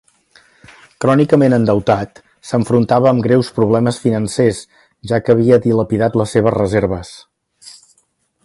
Crònicament endeutat, s'enfrontava amb greus problemes financers, ja que havia dilapidat les seves reserves.